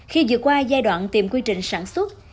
khi vừa qua giai đoạn tìm quy trình sản xuất